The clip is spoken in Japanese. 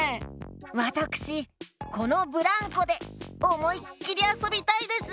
わたくしこのブランコでおもいっきりあそびたいです。